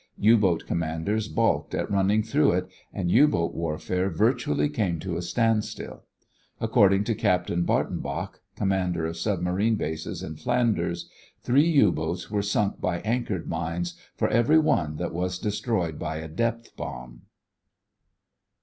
U boat commanders balked at running through it, and U boat warfare virtually came to a standstill. According to Captain Bartenbach, commander of submarine bases in Flanders, three U boats were sunk by anchored mines for every one that was destroyed by a depth bomb.